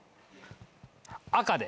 赤で。